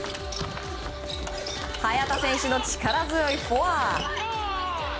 早田選手の力強いフォア。